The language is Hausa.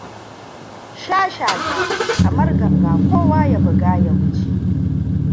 Sha-sha-sha — kamar ganga kowa ya buga ya wuce.